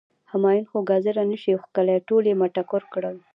همایون خو ګازر نه شي وښکلی، ټول یی مټکور کړل.